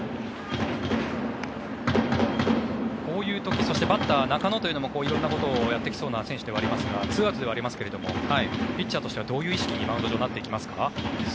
こういう時そしてバッター、中野というのも色んなことをやってきそうな選手ではありますが２アウトではありますがピッチャーとしてはどういう意識にマウンド上、なってきますか。